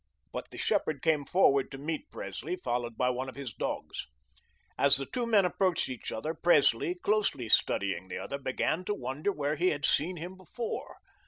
But the shepherd came forward to meet Presley, followed by one of his dogs. As the two men approached each other, Presley, closely studying the other, began to wonder where he had seen him before.